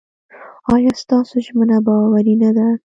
ایا ستاسو ژمنه باوري نه ده؟